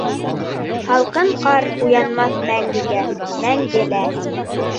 Һалҡын ҡар Уянмаҫ мәңгегә, мәңге лә...